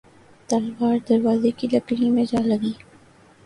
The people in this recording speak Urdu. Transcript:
تلوار دروازے کی لکڑی میں جا لگی